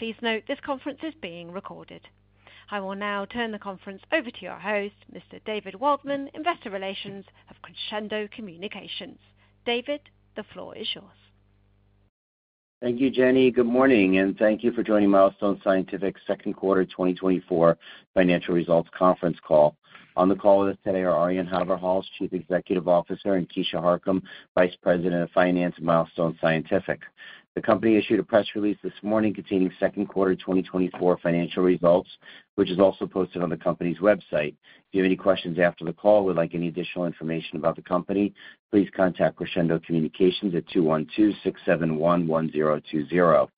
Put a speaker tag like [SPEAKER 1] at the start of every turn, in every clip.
[SPEAKER 1] Please note this conference is being recorded. I will now turn the conference over to your host, Mr. David Waldman, Investor Relations of Crescendo Communications. David, the floor is yours.
[SPEAKER 2] Thank you, Jenny. Good morning, and thank you for joining Milestone Scientific's Second Quarter 2024 Financial Results Conference Call. On the call with us today are Arjan Haverhals, Chief Executive Officer, and Keisha Harcum, Vice President of Finance at Milestone Scientific. The company issued a press release this morning containing second quarter 2024 financial results, which is also posted on the company's website. If you have any questions after the call or would like any additional information about the company, please contact Crescendo Communications at 212-671-1020.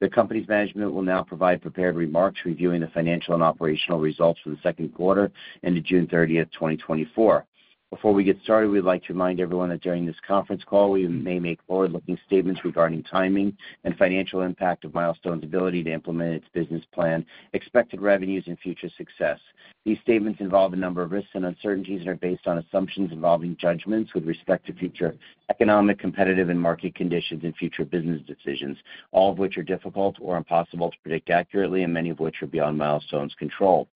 [SPEAKER 2] The company's management will now provide prepared remarks reviewing the financial and operational results for the second quarter ended June 30th, 2024. Before we get started, we'd like to remind everyone that during this conference call, we may make forward-looking statements regarding timing and financial impact of Milestone's ability to implement its business plan, expected revenues, and future success. These statements involve a number of risks and uncertainties and are based on assumptions involving judgments with respect to future economic, competitive, and market conditions and future business decisions, all of which are difficult or impossible to predict accurately, and many of which are beyond Milestone's control.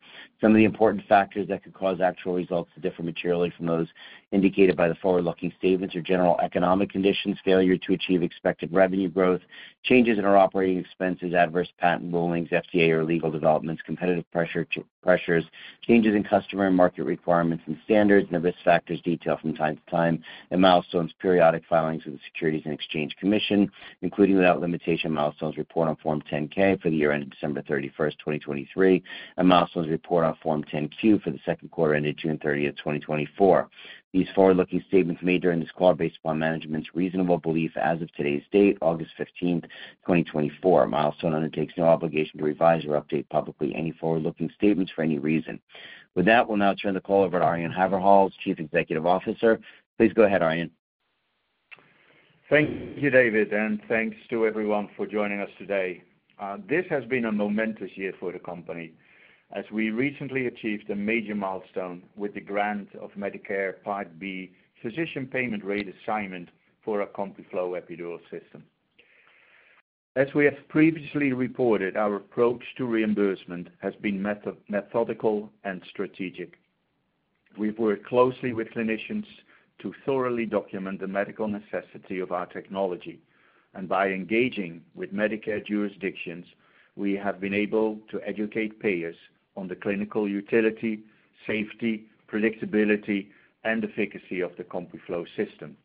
[SPEAKER 2] Some of the important factors that could cause actual results to differ materially from those indicated by the forward-looking statements or general economic conditions, failure to achieve expected revenue growth, changes in our operating expenses, adverse patent rulings, FDA or legal developments, competitive pressures, changes in customer and market requirements and standards, and the risk factors detailed from time to time in Milestone's periodic filings with the Securities and Exchange Commission, including without limitation, Milestone's Report on Form 10-K for the year ended December 31st, 2023, and Milestone's Report on Form 10-Q for the second quarter ended June 30th, 2024. These forward-looking statements made during this call are based upon management's reasonable belief as of today's date, August 15th, 2024. Milestone undertakes no obligation to revise or update publicly any forward-looking statements for any reason. With that, we'll now turn the call over to Arjan Haverhals, Chief Executive Officer. Please go ahead, Arjan.
[SPEAKER 3] Thank you, David, and thanks to everyone for joining us today. This has been a momentous year for the company as we recently achieved a major milestone with the grant of Medicare Part B physician payment rate assignment for our CompuFlo Epidural System. As we have previously reported, our approach to reimbursement has been methodical and strategic. We've worked closely with clinicians to thoroughly document the medical necessity of our technology, and by engaging with Medicare jurisdictions, we have been able to educate payers on the clinical utility, safety, predictability, and efficacy of the CompuFlo Epidural System,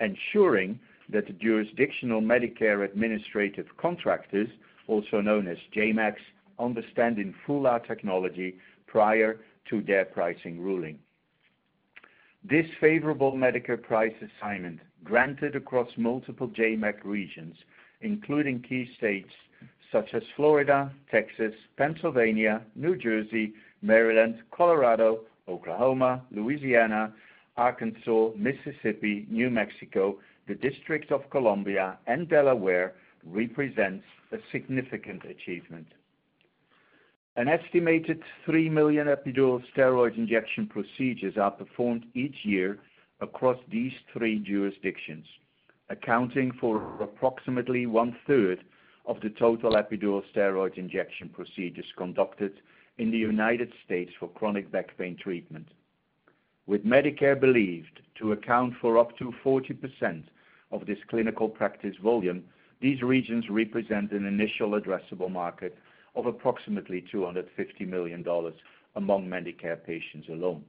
[SPEAKER 3] ensuring that the jurisdictional Medicare administrative contractors, also known as JMACs, understand in full our technology prior to their pricing ruling. This favorable Medicare price assignment, granted across multiple JMAC regions, including key states such as Florida, Texas, Pennsylvania, New Jersey, Maryland, Colorado, Oklahoma, Louisiana, Arkansas, Mississippi, New Mexico, the District of Columbia, and Delaware, represents a significant achievement. An estimated 3 million epidural steroid injection procedures are performed each year across these three jurisdictions, accounting for approximately one-third of the total epidural steroid injection procedures conducted in the United States for chronic back pain treatment. With Medicare believed to account for up to 40% of this clinical practice volume, these regions represent an initial addressable market of approximately $250 million among Medicare patients alone.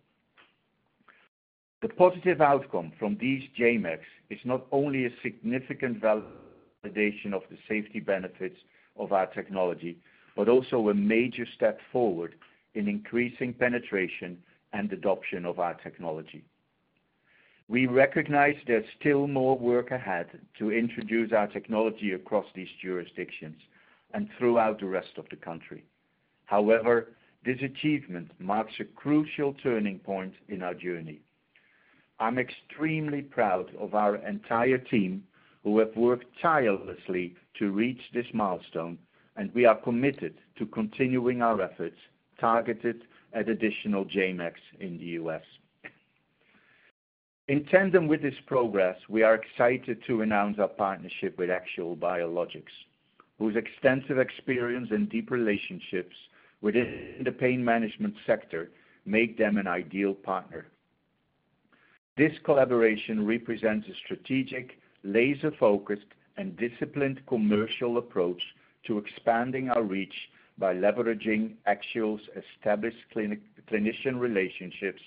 [SPEAKER 3] The positive outcome from these JMACs is not only a significant validation of the safety benefits of our technology, but also a major step forward in increasing penetration and adoption of our technology. We recognize there's still more work ahead to introduce our technology across these jurisdictions and throughout the rest of the country. However, this achievement marks a crucial turning point in our journey. I'm extremely proud of our entire team, who have worked tirelessly to reach this milestone, and we are committed to continuing our efforts targeted at additional JMACs in the U.S. In tandem with this progress, we are excited to announce our partnership with Axial Biologics, whose extensive experience and deep relationships within the pain management sector make them an ideal partner. This collaboration represents a strategic, laser-focused, and disciplined commercial approach to expanding our reach by leveraging Axial's established clinic-clinician relationships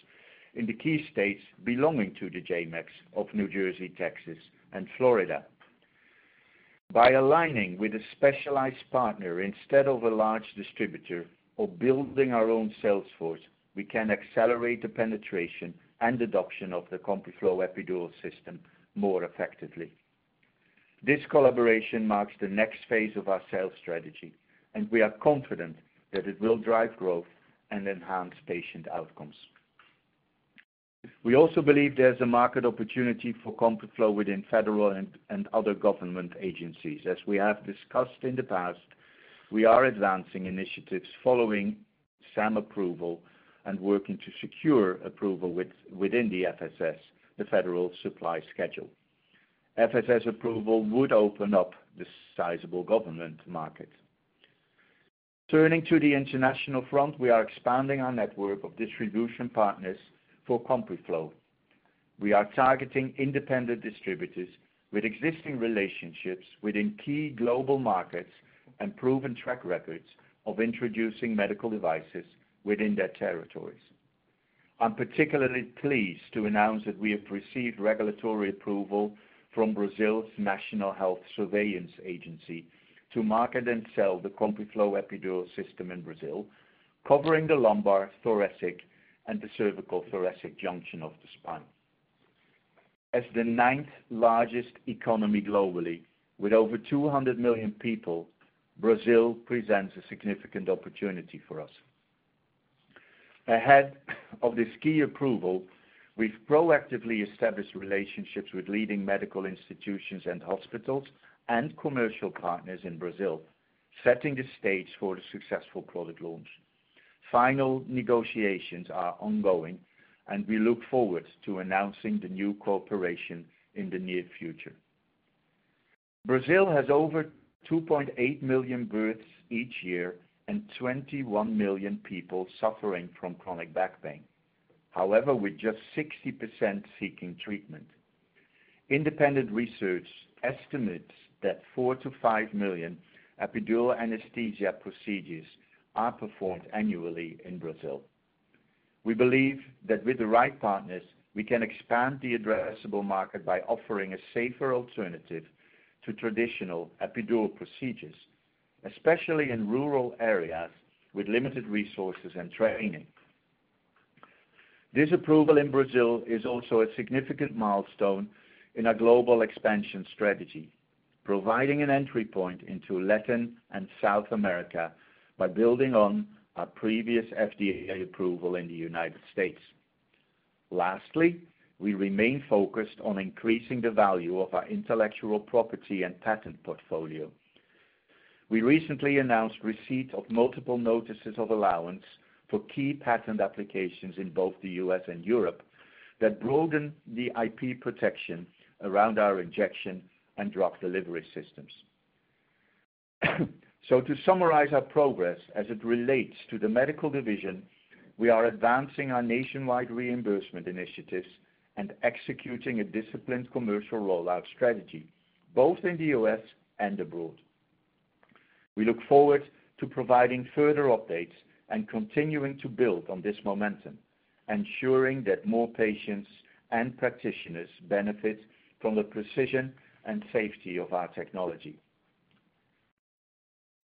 [SPEAKER 3] in the key states belonging to the JMACs of New Jersey, Texas, and Florida. By aligning with a specialized partner instead of a large distributor or building our own sales force, we can accelerate the penetration and adoption of the CompuFlo Epidural System more effectively. This collaboration marks the next phase of our sales strategy, and we are confident that it will drive growth and enhance patient outcomes. We also believe there's a market opportunity for CompuFlo within federal and other government agencies. As we have discussed in the past, we are advancing initiatives following SAM approval and working to secure approval within the FSS, the Federal Supply Schedule. FSS approval would open up the sizable government market. Turning to the international front, we are expanding our network of distribution partners for CompuFlo. We are targeting independent distributors with existing relationships within key global markets and proven track records of introducing medical devices within their territories. I'm particularly pleased to announce that we have received regulatory approval from Brazil's National Health Surveillance Agency to market and sell the CompuFlo Epidural System in Brazil, covering the lumbar, thoracic, and the cervicothoracic junction of the spine. As the ninth largest economy globally, with over 200 million people, Brazil presents a significant opportunity for us. Ahead of this key approval, we've proactively established relationships with leading medical institutions and hospitals and commercial partners in Brazil, setting the stage for the successful product launch. Final negotiations are ongoing, and we look forward to announcing the new cooperation in the near future. Brazil has over 2.8 million births each year, and 21 million people suffering from chronic back pain. However, with just 60% seeking treatment. Independent research estimates that 4 million-5 million epidural anesthesia procedures are performed annually in Brazil. We believe that with the right partners, we can expand the addressable market by offering a safer alternative to traditional epidural procedures, especially in rural areas with limited resources and training. This approval in Brazil is also a significant milestone in our global expansion strategy, providing an entry point into Latin and South America by building on our previous FDA approval in the United States. Lastly, we remain focused on increasing the value of our intellectual property and patent portfolio. We recently announced receipt of multiple notices of allowance for key patent applications in both the U.S. and Europe, that broaden the IP protection around our injection and drug delivery systems. So to summarize our progress as it relates to the medical division, we are advancing our nationwide reimbursement initiatives and executing a disciplined commercial rollout strategy, both in the U.S. and abroad. We look forward to providing further updates and continuing to build on this momentum, ensuring that more patients and practitioners benefit from the precision and safety of our technology.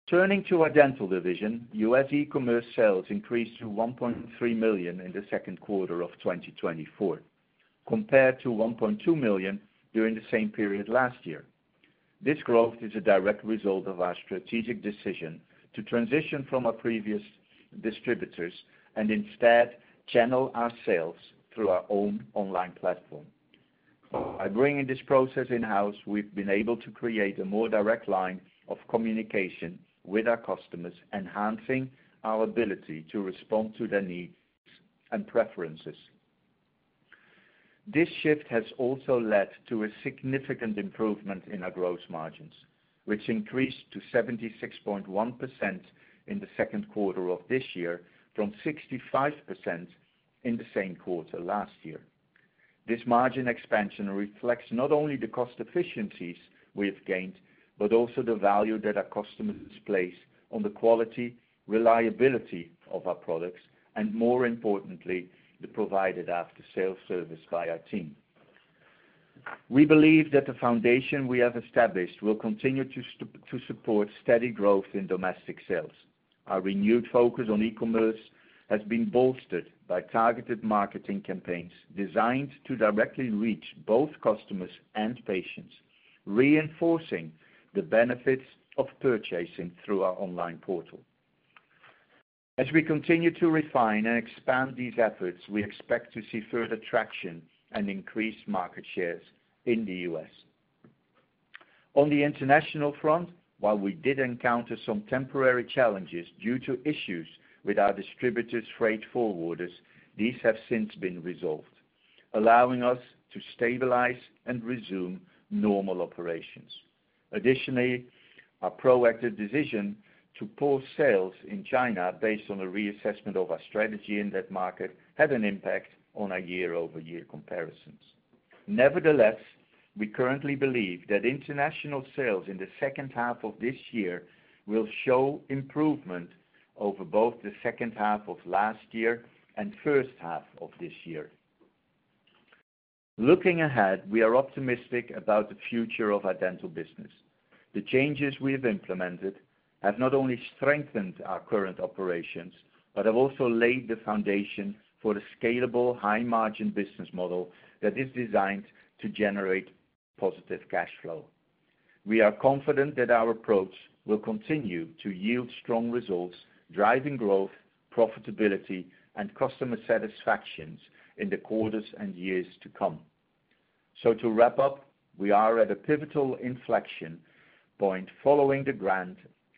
[SPEAKER 3] Turning to our dental division, U.S. e-commerce sales increased to $1.3 million in the second quarter of 2024, compared to $1.2 million during the same period last year. This growth is a direct result of our strategic decision to transition from our previous distributors and instead channel our sales through our own online platform. By bringing this process in-house, we've been able to create a more direct line of communication with our customers, enhancing our ability to respond to their needs and preferences. This shift has also led to a significant improvement in our gross margins, which increased to 76.1% in the second quarter of this year, from 65% in the same quarter last year. This margin expansion reflects not only the cost efficiencies we have gained, but also the value that our customers place on the quality, reliability of our products, and more importantly, the provided after-sales service by our team. We believe that the foundation we have established will continue to support steady growth in domestic sales. Our renewed focus on e-commerce has been bolstered by targeted marketing campaigns designed to directly reach both customers and patients, reinforcing the benefits of purchasing through our online portal. As we continue to refine and expand these efforts, we expect to see further traction and increased market shares in the U.S. On the international front, while we did encounter some temporary challenges due to issues with our distributors' freight forwarders, these have since been resolved, allowing us to stabilize and resume normal operations. Additionally, our proactive decision to pause sales in China based on a reassessment of our strategy in that market, had an impact on our year-over-year comparisons. Nevertheless, we currently believe that international sales in the second half of this year will show improvement over both the second half of last year and first half of this year. Looking ahead, we are optimistic about the future of our dental business. The changes we have implemented have not only strengthened our current operations, but have also laid the foundation for the scalable, high-margin business model that is designed to generate positive cash flow. We are confident that our approach will continue to yield strong results, driving growth, profitability, and customer satisfactions in the quarters and years to come. So to wrap up, we are at a pivotal inflection point following the grant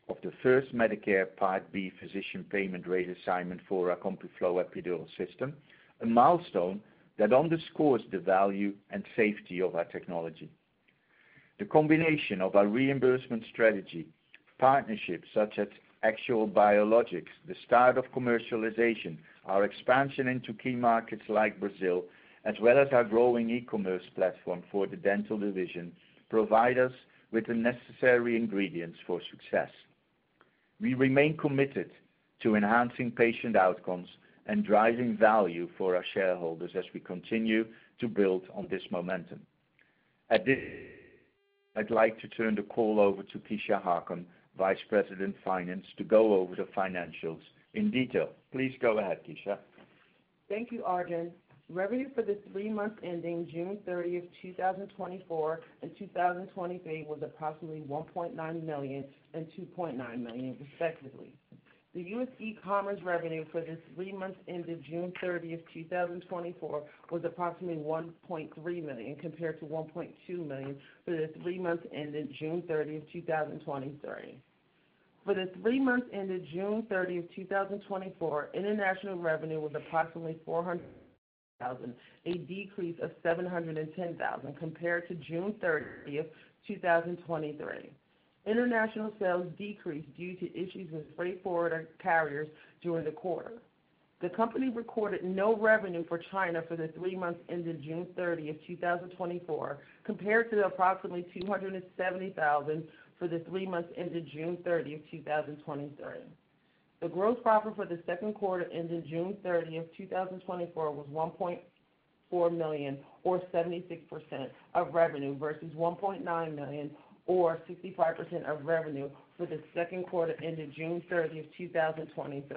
[SPEAKER 3] of the first Medicare Part B physician payment rate assignment for our CompuFlo Epidural System, a milestone that underscores the value and safety of our technology. The combination of our reimbursement strategy, partnerships such as Axial Biologics, the start of commercialization, our expansion into key markets like Brazil, as well as our growing e-commerce platform for the dental division, provide us with the necessary ingredients for success. We remain committed to enhancing patient outcomes and driving value for our shareholders as we continue to build on this momentum. At this, I'd like to turn the call over to Keisha Harcum, Vice President of Finance, to go over the financials in detail. Please go ahead, Keisha.
[SPEAKER 4] Thank you, Arjan. Revenue for the three months ending June 30th, 2024 and 2023 was approximately $1.9 million and $2.9 million, respectively. The U.S. e-commerce revenue for the three months ended June 30th, 2024, was approximately $1.3 million, compared to $1.2 million for the three months ended June 30th, 2023. For the three months ended June 30th, 2024, international revenue was approximately $400,000, a decrease of $710,000 compared to June 30th, 2023. International sales decreased due to issues with freight forwarder carriers during the quarter. The company recorded no revenue for China for the three months ended June 30th, 2024, compared to approximately $270,000 for the three months ended June 30th, 2023. The gross profit for the second quarter ended June 30th, 2024, was $1.4 million, or 76% of revenue, versus $1.9 million, or 65% of revenue for the second quarter ended June 30th, 2023.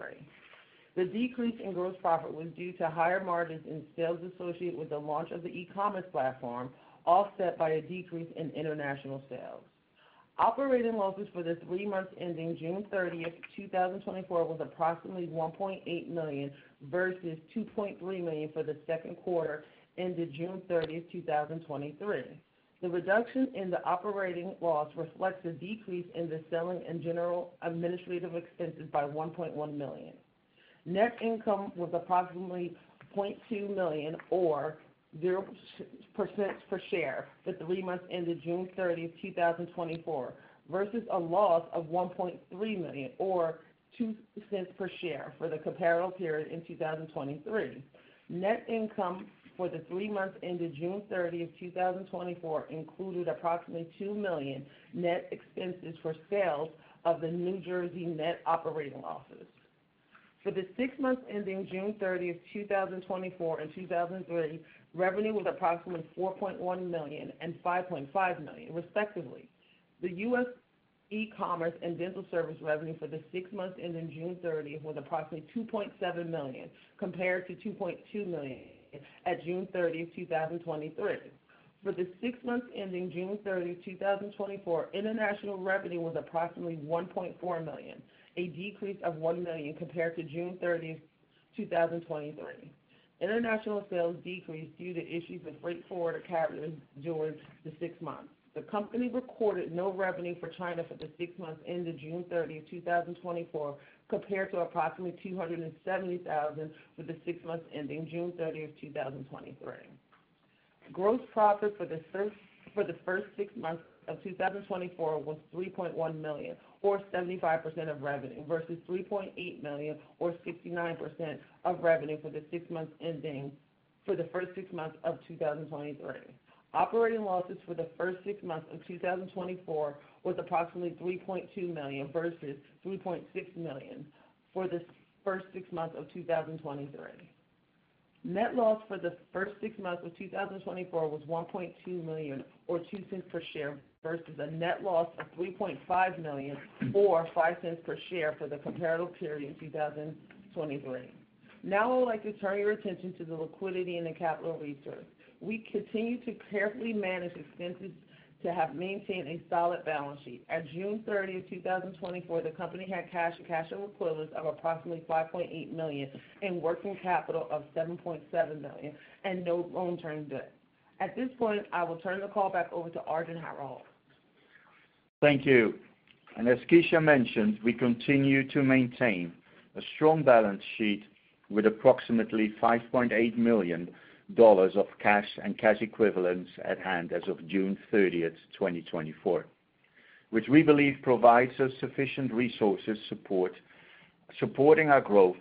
[SPEAKER 4] The decrease in gross profit was due to higher margins in sales associated with the launch of the e-commerce platform, offset by a decrease in international sales. Operating losses for the three months ending June 30th, 2024, was approximately $1.8 million versus $2.3 million for the second quarter ended June 30th, 2023. The reduction in the operating loss reflects a decrease in the selling and general administrative expenses by $1.1 million. Net income was approximately $0.2 million or 0% per share for the three months ended June 30th, 2024, versus a loss of $1.3 million, or $0.02 per share for the comparable period in 2023. Net income for the three months ended June 30th, 2024, included approximately $2 million net expenses for sales of the New Jersey net operating losses. For the six months ending June 30th, 2024 and 2023, revenue was approximately $4.1 million and $5.5 million, respectively. The U.S. e-commerce and dental service revenue for the six months ending June 30th, was approximately $2.7 million, compared to $2.2 million at June 30th, 2023. For the six months ending June 30th, 2024, international revenue was approximately $1.4 million, a decrease of $1 million compared to June 30th, 2023. International sales decreased due to issues with freight forwarder carriers during the six months. The company recorded no revenue for China for the six months ended June 30th, 2024, compared to approximately $270,000 for the six months ending June 30th, 2023. Gross profit for the first six months of 2024 was $3.1 million, or 75% of revenue, versus $3.8 million, or 69% of revenue for the first six months of 2023. Operating losses for the first six months of 2024 was approximately $3.2 million versus $3.6 million for the first six months of 2023. Net loss for the first six months of 2024 was $1.2 million, or $0.02 per share, versus a net loss of $3.5 million, or $0.05 per share, for the comparable period in 2023. Now, I would like to turn your attention to the liquidity and the capital reserve. We continue to carefully manage expenses to have maintained a solid balance sheet. At June 30th, 2024, the company had cash and cash equivalents of approximately $5.8 million and working capital of $7.7 million, and no long-term debt. At this point, I will turn the call back over to Arjan Haverhals.
[SPEAKER 3] Thank you. As Keisha mentioned, we continue to maintain a strong balance sheet with approximately $5.8 million of cash and cash equivalents at hand as of June 30th, 2024, which we believe provides us sufficient resources supporting our growth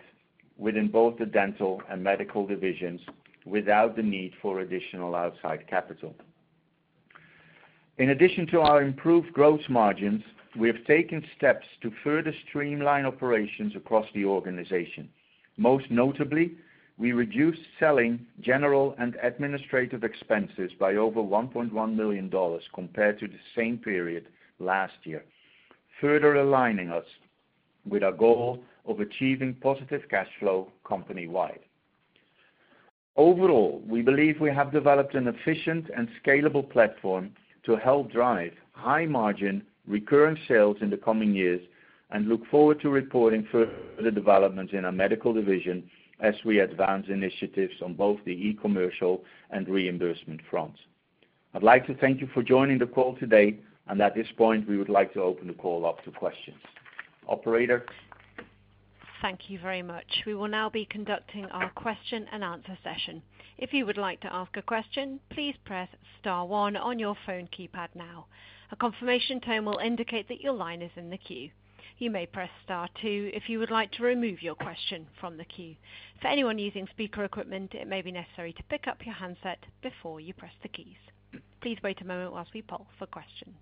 [SPEAKER 3] within both the dental and medical divisions without the need for additional outside capital. In addition to our improved gross margins, we have taken steps to further streamline operations across the organization. Most notably, we reduced selling general and administrative expenses by over $1.1 million compared to the same period last year, further aligning us with our goal of achieving positive cash flow company-wide. Overall, we believe we have developed an efficient and scalable platform to help drive high-margin, recurring sales in the coming years, and look forward to reporting further developments in our medical division as we advance initiatives on both the e-commerce and reimbursement fronts... I'd like to thank you for joining the call today, and at this point, we would like to open the call up to questions. Operator?
[SPEAKER 1] Thank you very much. We will now be conducting our question-and-answer session. If you would like to ask a question, please press star one on your phone keypad now. A confirmation tone will indicate that your line is in the queue. You may press star two if you would like to remove your question from the queue. For anyone using speaker equipment, it may be necessary to pick up your handset before you press the keys. Please wait a moment while we poll for questions.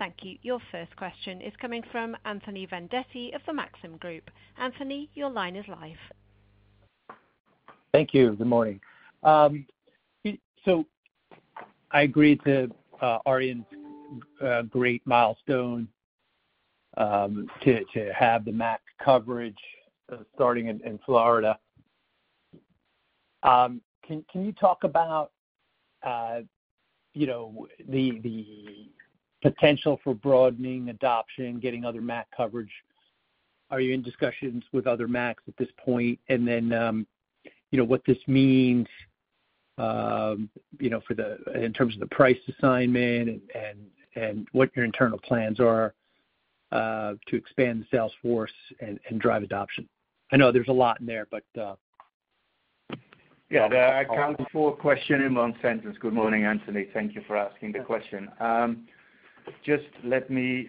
[SPEAKER 1] Thank you. Your first question is coming from Anthony Vendetti of the Maxim Group. Anthony, your line is live.
[SPEAKER 5] Thank you. Good morning. So I agree to Arjan's great milestone to have the MAC coverage starting in Florida. Can you talk about you know the potential for broadening adoption, getting other MAC coverage? Are you in discussions with other MACs at this point? And then you know what this means you know in terms of the price assignment and what your internal plans are to expand the sales force and drive adoption. I know there's a lot in there, but
[SPEAKER 3] Yeah, to answer the question in one sentence. Good morning, Anthony. Thank you for asking the question. Just let me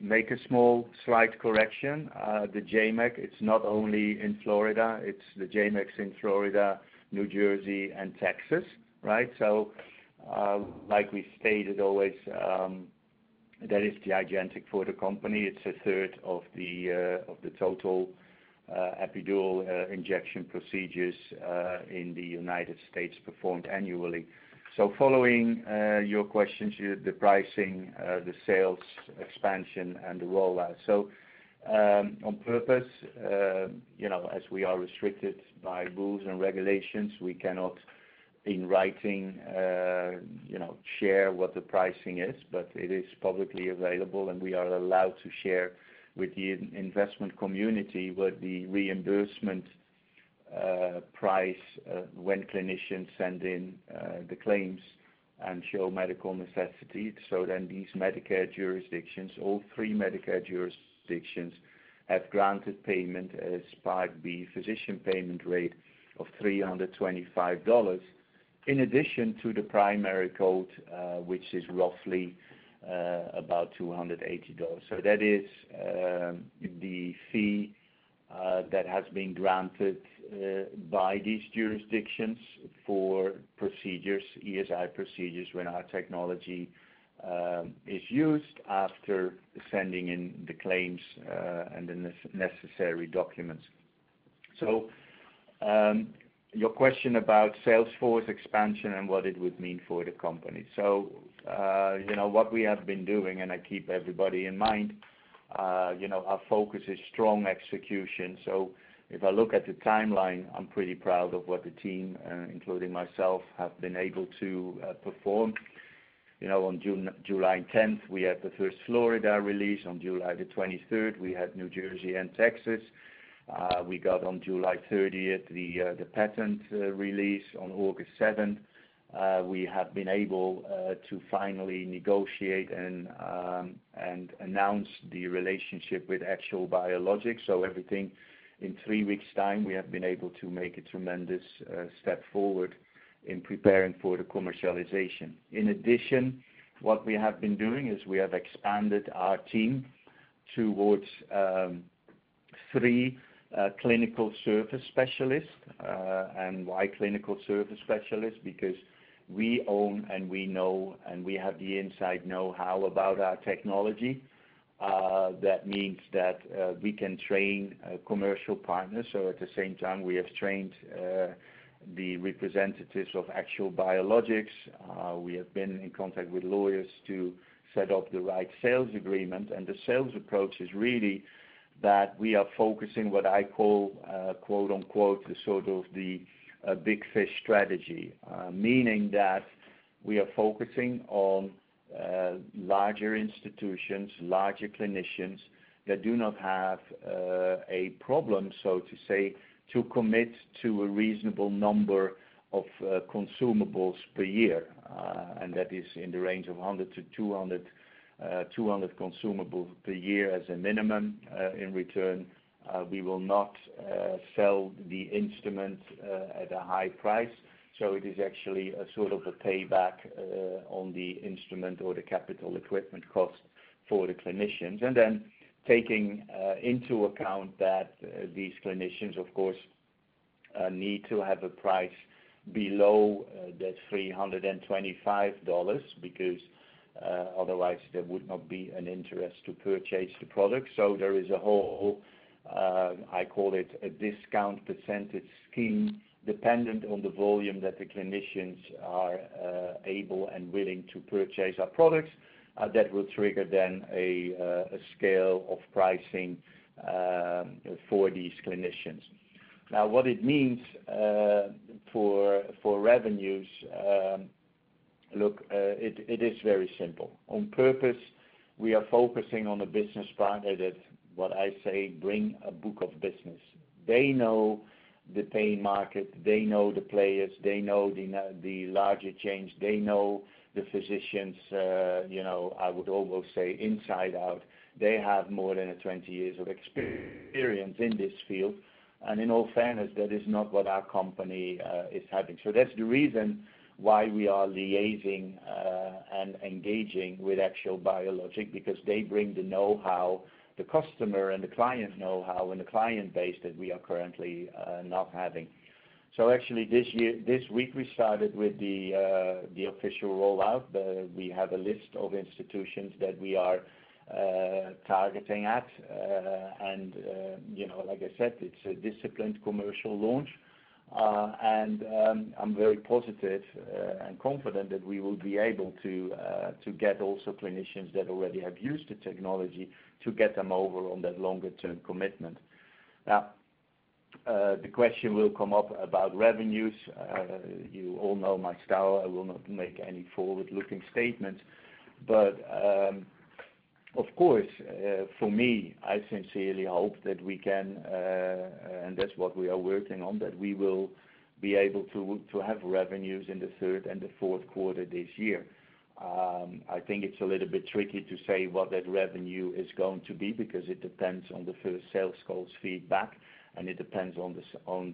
[SPEAKER 3] make a small, slight correction. The JMACs, it's not only in Florida, it's the JMACs in Florida, New Jersey, and Texas, right? So, like we stated always, that is gigantic for the company. It's a third of the total epidural injection procedures in the United States performed annually. So following your questions, the pricing, the sales expansion, and the rollout. So, on purpose, you know, as we are restricted by rules and regulations, we cannot, in writing, you know, share what the pricing is, but it is publicly available, and we are allowed to share with the investment community what the reimbursement price, when clinicians send in, the claims and show medical necessity. So then these Medicare jurisdictions, all three Medicare jurisdictions, have granted payment as Part B physician payment rate of $325, in addition to the primary code, which is roughly about $280. So that is the fee that has been granted by these jurisdictions for procedures, ESI procedures, when our technology is used after sending in the claims and the necessary documents. So, your question about sales force expansion and what it would mean for the company. So, you know, what we have been doing, and I keep everybody in mind, you know, our focus is strong execution. So if I look at the timeline, I'm pretty proud of what the team, including myself, have been able to perform. You know, on July 10th, we had the first Florida release. On July 23rd, we had New Jersey and Texas. We got on July 30th, the patent release. On August 7th, we have been able to finally negotiate and announce the relationship with Axial Biologics. So everything in three weeks' time, we have been able to make a tremendous step forward in preparing for the commercialization. In addition, what we have been doing is we have expanded our team towards three clinical service specialists. And why clinical service specialists? Because we own, and we know, and we have the inside know-how about our technology. That means that we can train commercial partners. So at the same time, we have trained the representatives of Axial Biologics. We have been in contact with lawyers to set up the right sales agreement, and the sales approach is really that we are focusing what I call, quote-unquote, "the sort of the big fish strategy." Meaning that we are focusing on larger institutions, larger clinicians, that do not have a problem, so to say, to commit to a reasonable number of consumables per year, and that is in the range of 100 to 200, 200 consumables per year as a minimum. In return, we will not sell the instrument at a high price. So it is actually a sort of a payback on the instrument or the capital equipment cost for the clinicians. Then taking into account that these clinicians, of course, need to have a price below that $325, because otherwise there would not be an interest to purchase the product. There is a whole, I call it a discount percentage scheme, dependent on the volume that the clinicians are able and willing to purchase our products, that will trigger then a scale of pricing for these clinicians. Now, what it means for revenues... Look, it is very simple. On purpose, we are focusing on a business partner that, what I say, bring a book of business. They know the paying market, they know the players, they know the larger chains, they know the physicians, you know, I would almost say inside out. They have more than 20 years of experience in this field, and in all fairness, that is not what our company is having. So that's the reason why we are liaising and engaging with Axial Biologics, because they bring the know-how, the customer and the client know-how, and the client base that we are currently not having. So actually, this year, this week, we started with the official rollout. We have a list of institutions that we are targeting at. And, you know, like I said, it's a disciplined commercial launch. And, I'm very positive and confident that we will be able to get also clinicians that already have used the technology to get them over on that longer term commitment. Now, the question will come up about revenues. You all know my style. I will not make any forward-looking statements, but of course, for me, I sincerely hope that we can, and that's what we are working on, that we will be able to have revenues in the third and the fourth quarter this year. I think it's a little bit tricky to say what that revenue is going to be, because it depends on the first sales calls feedback, and it depends on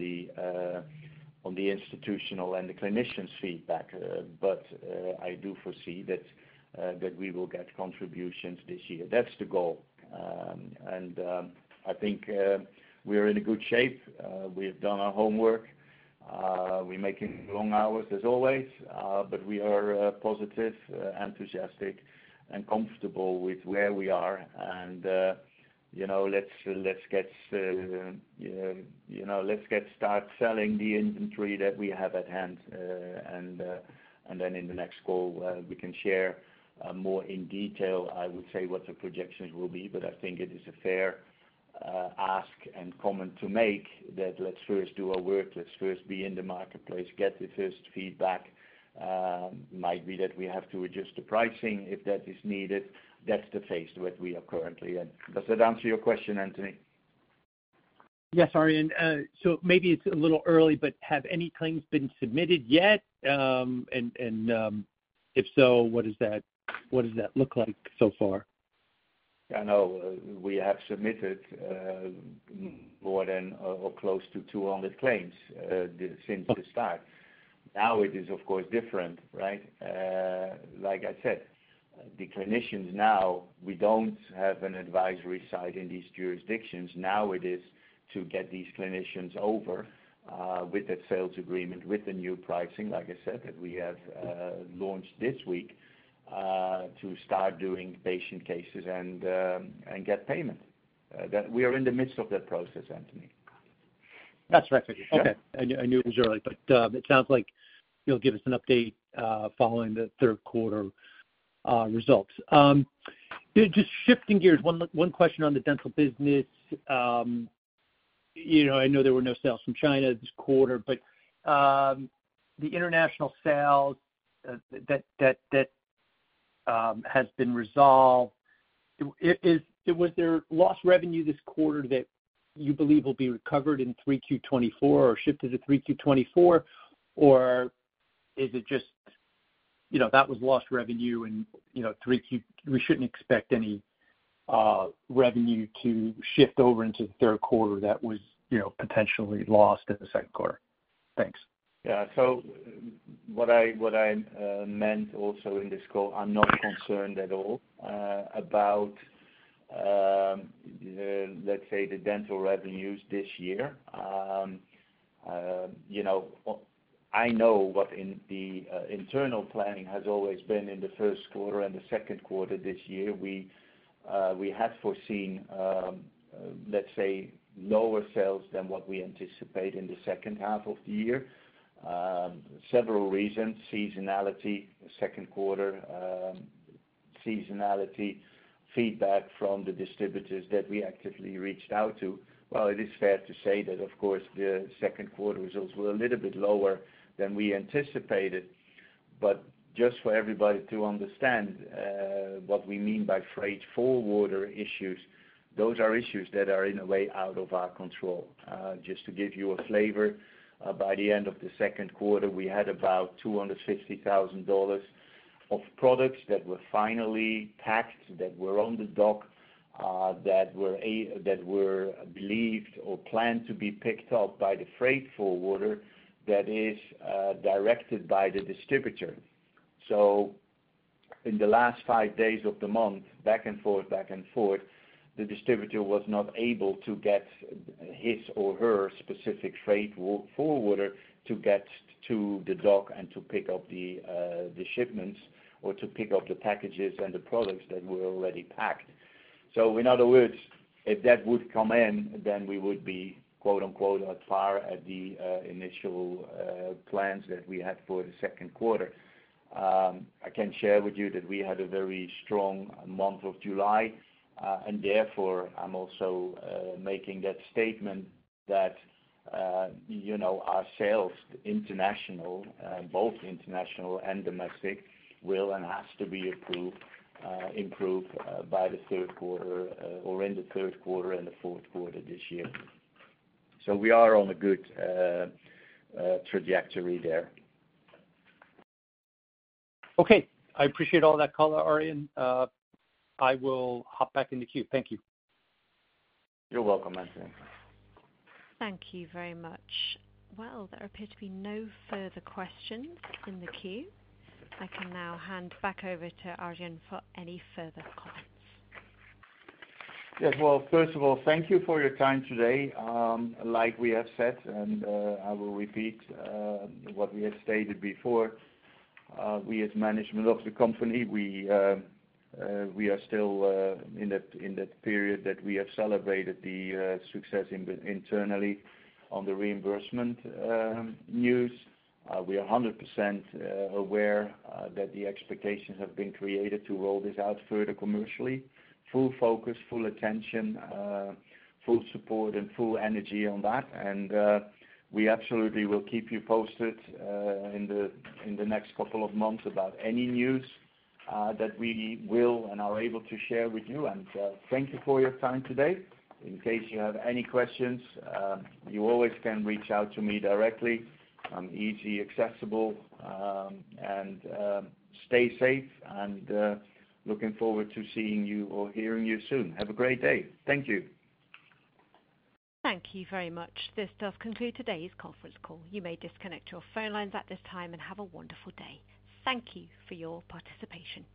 [SPEAKER 3] the institutional and the clinicians' feedback. But I do foresee that we will get contributions this year. That's the goal. I think we are in a good shape. We have done our homework. We're making long hours as always, but we are positive, enthusiastic, and comfortable with where we are. You know, let's get started selling the inventory that we have at hand, and then in the next call, we can share more in detail, I would say, what the projections will be. But I think it is a fair ask and comment to make, that let's first do our work, let's first be in the marketplace, get the first feedback. Might be that we have to adjust the pricing if that is needed. That's the phase what we are currently in. Does that answer your question, Anthony?
[SPEAKER 5] Yes, Arjan. Maybe it's a little early, but have any claims been submitted yet? If so, what does that look like so far?
[SPEAKER 3] I know, we have submitted more than, or close to 200 claims since the start. Now, it is, of course, different, right? Like I said, the clinicians now, we don't have an advisory side in these jurisdictions. Now, it is to get these clinicians over with that sales agreement, with the new pricing, like I said, that we have launched this week to start doing patient cases and, and get payment. We are in the midst of that process, Anthony.
[SPEAKER 5] That's what I figured. Okay. I knew, I knew it was early, but it sounds like you'll give us an update following the third quarter results. Just shifting gears, one question on the dental business. You know, I know there were no sales from China this quarter, but the international sales that has been resolved, was there lost revenue this quarter that you believe will be recovered in 3Q 2024 or shifted to 3Q 2024? Or is it just, you know, that was lost revenue and, you know, 3Q we shouldn't expect any revenue to shift over into the third quarter that was, you know, potentially lost in the second quarter? Thanks.
[SPEAKER 3] Yeah. So what I meant also in this call, I'm not concerned at all about, let's say, the dental revenues this year. You know, I know what in the internal planning has always been in the first quarter and the second quarter this year. We had foreseen, let's say, lower sales than what we anticipate in the second half of the year. Several reasons: seasonality, the second quarter, seasonality, feedback from the distributors that we actively reached out to. Well, it is fair to say that, of course, the second quarter results were a little bit lower than we anticipated. But just for everybody to understand, what we mean by freight forwarder issues, those are issues that are, in a way, out of our control. Just to give you a flavor, by the end of the second quarter, we had about $250,000 of products that were finally packed, that were on the dock, that were believed or planned to be picked up by the freight forwarder that is directed by the distributor. So in the last five days of the month, back and forth, back and forth, the distributor was not able to get his or her specific freight forwarder to get to the dock and to pick up the shipments, or to pick up the packages and the products that were already packed. So in other words, if that would come in, then we would be, quote-unquote, "at par at the initial plans that we had for the second quarter." I can share with you that we had a very strong month of July, and therefore, I'm also making that statement that you know, our sales, international, both international and domestic, will and has to be approved, improved, by the third quarter, or in the third quarter and the fourth quarter this year. So we are on a good trajectory there.
[SPEAKER 5] Okay. I appreciate all that color, Arjan. I will hop back in the queue. Thank you.
[SPEAKER 3] You're welcome, Anthony.
[SPEAKER 1] Thank you very much. Well, there appear to be no further questions in the queue. I can now hand back over to Arjan for any further comments.
[SPEAKER 3] Yes. Well, first of all, thank you for your time today. Like we have said, and I will repeat what we have stated before, we as management of the company are still in that period that we have celebrated the success internally on the reimbursement news. We are 100% aware that the expectations have been created to roll this out further commercially. Full focus, full attention, full support, and full energy on that, and we absolutely will keep you posted in the next couple of months about any news that we will and are able to share with you. And thank you for your time today. In case you have any questions, you always can reach out to me directly. I'm easy, accessible, and stay safe, and looking forward to seeing you or hearing you soon. Have a great day. Thank you.
[SPEAKER 1] Thank you very much. This does conclude today's conference call. You may disconnect your phone lines at this time and have a wonderful day. Thank you for your participation.